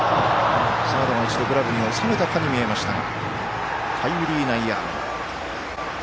サードが一度、グラブに収めたかに見えましたがタイムリー内野安打。